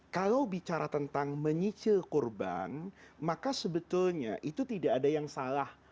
kalau bicara tentang menyicil kurban maka sebetulnya itu tidak ada yang salah